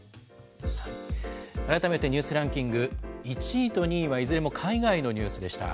改めてニュースランキング、１位と２位はいずれも海外のニュースでした。